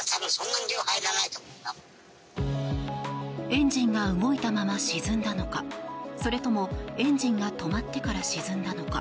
エンジンが動いたまま沈んだのかそれともエンジンが止まってから沈んだのか。